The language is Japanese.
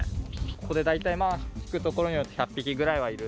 ここで大体まあ、聞くところによると、１００匹くらいはいる。